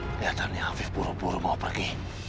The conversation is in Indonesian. keliatannya afif buru buru mau pergi